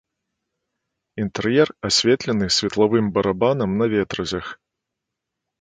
Інтэр'ер асветлены светлавым барабанам на ветразях.